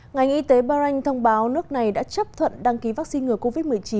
ngành y tế bahrain thông báo nước này đã chấp thuận đăng ký vaccine ngừa covid một mươi chín